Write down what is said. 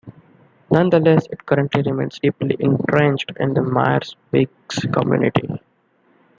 Nonetheless, it currently remains deeply entrenched in the Myers-Briggs community.